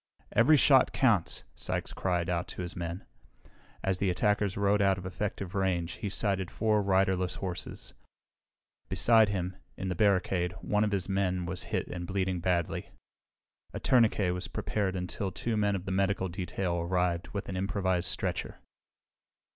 "Every shot counts!" Sykes cried out to his men. As the attackers rode out of effective range he sighted four riderless horses. Beside him, in the barricade, one of his own men was hit and bleeding badly. A tourniquet was prepared until two men of the medical detail arrived with an improvised stretcher.